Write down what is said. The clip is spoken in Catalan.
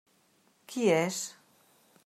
Qui és?